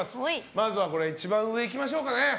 まずは、一番上いきましょうか。